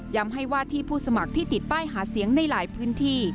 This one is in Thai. ให้ว่าที่ผู้สมัครที่ติดป้ายหาเสียงในหลายพื้นที่